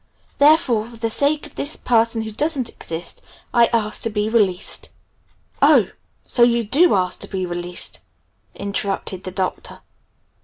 Therefore for the sake of this 'person who doesn't exist', I ask to be released." "Oh! So you do ask to be released?" interrupted the Doctor.